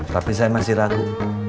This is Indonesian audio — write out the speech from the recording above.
tapi saya masih ragu